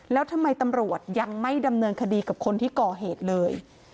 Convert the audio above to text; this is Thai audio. แล้วทำไมตำรวจยังไม่ดำเนินคดีกับคนที่ก่อเหตุเลย